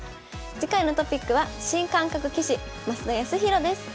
次回のトピックは「新感覚棋士・増田康宏」です。